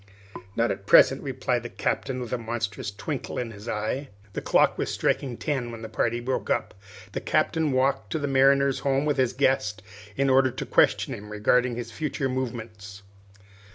"Not at present," replied the Captain, with a monstrous twinkle in his eye. The clock was striking ten when the party broke up. The Captain walked to the "Mariner's Home" with his guest, in order to question him regarding his future movements.